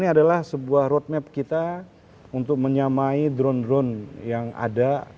ini adalah sebuah roadmap kita untuk menyamai drone drone yang ada